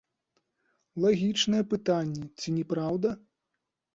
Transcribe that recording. Лагічнае пытанне, ці не праўда?